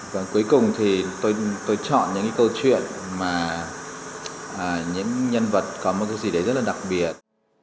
và cuối cùng thì tôi chọn những cái câu chuyện mà những nhân vật có một cái gì đấy rất là đặc biệt